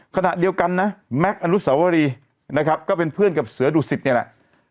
ขณะเดียวกันนะแม็กซ์อนุสวรีนะครับก็เป็นเพื่อนกับเสือดุสิตนี่แหละ